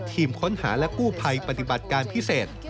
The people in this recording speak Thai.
ทีมค้นหาและกู้ภัยปฏิบัติการพิเศษ